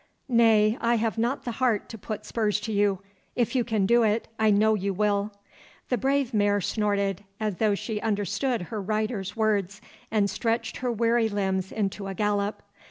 Nay, I have not the heart to put spurs to you. If you can do it, I know you will.' The brave mare snorted, as though she understood her riders words, and stretched her weary limbs into a gallop.